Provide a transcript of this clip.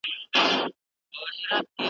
شګوفو به اوربلونه نازولای .